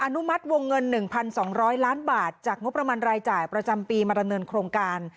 อนุมัติวงเงินหนึ่งพันสองร้อยล้านบาทจากงบประมาณรายจ่ายประจำปีมารเนินโครงการ